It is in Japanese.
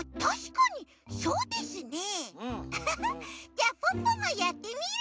じゃポッポもやってみる！